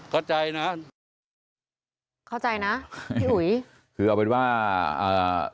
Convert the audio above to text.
เข้าใจนะเข้าใจนะพี่อุ๋ยคือเอาเป็นว่าอ่า